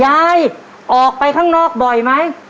ต่อไปอีกหนึ่งข้อเดี๋ยวเราไปฟังเฉลยพร้อมกันนะครับคุณผู้ชม